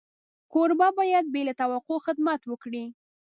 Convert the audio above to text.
کوربه باید بې له توقع خدمت وکړي.